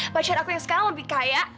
pacar aku yang sekarang lebih kaya